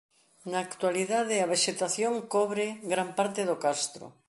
Na actualidade a vexetación cobre gran parte do castro.